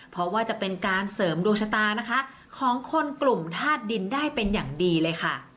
เพราะว่าจะเป็นการเสริมดวงชะตานะคะของคนกลุ่มธาตุดินได้เป็นอย่างดีเลยค่ะ